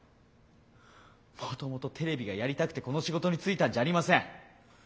もともとテレビがやりたくてこの仕事に就いたんじゃありません。